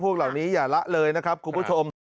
เหล่านี้อย่าละเลยนะครับคุณผู้ชม